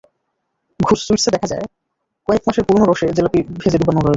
ঘোষ সুইটসে দেখা যায়, কয়েক মাসের পুরোনো রসে জিলাপি ভেজে ডুবানো রয়েছে।